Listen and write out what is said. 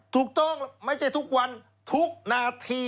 ถูกต้องไม่ใช่ทุกวันทุกนาที